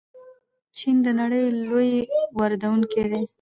چین د نړۍ لوی واردونکی دی.